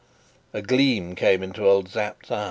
A gleam came into old Sapt's eye.